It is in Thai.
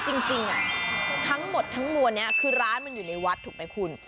จริงทั้งหมดทั้งมวลนี้คือร้านมันอยู่ในวัดถูกไหมคุณ